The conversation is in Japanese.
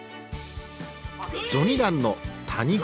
序二段の谷口。